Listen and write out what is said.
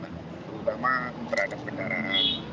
terutama terhadap kendaraan